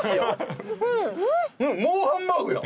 うんもうハンバーグや！